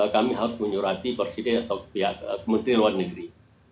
kami harus menyurati presiden atau pihak kementerian luar negeri